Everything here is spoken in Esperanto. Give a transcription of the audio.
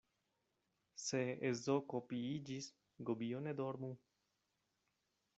Se ezoko piiĝis, gobio ne dormu.